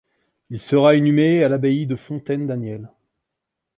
Il sera inhumé à l'abbaye de Fontaine-Daniel.